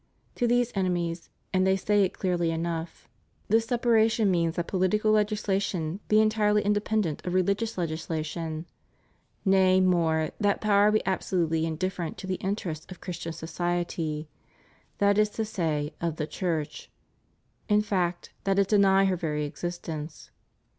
To these enemies, and they say it clearly enough, this ALLEGIANCE TO THE REPUBLIC. 263 separation means that political legislation be entirely independent of religious legislation; nay, more, that Power be absolutely indifferent to the interests of Chris tian society, that is to say, of the Church ; in fact, that it deny her very existence.